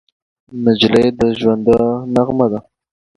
نجلۍ د ژونده نغمه ده.